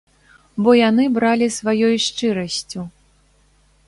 Бо яны бралі сваёй шчырасцю.